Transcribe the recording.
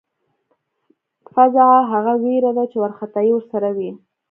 فذع هغه وېره ده چې وارخطایی ورسره وي.